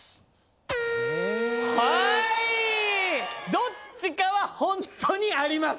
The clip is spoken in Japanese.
どっちかはほんとにあります。